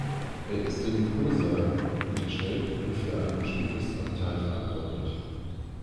Er ist dem Purser unterstellt und für ein bestimmtes Abteil verantwortlich.